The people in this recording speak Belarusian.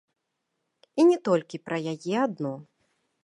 І не толькі пра яе адну.